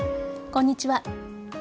こんにちは。